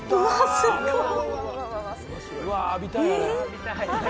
すごい！